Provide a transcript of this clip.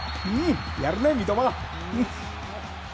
やるね、三笘！